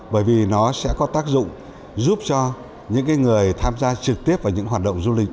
bởi vì nó sẽ có tác dụng giúp cho những người tham gia trực tiếp vào những hoạt động du lịch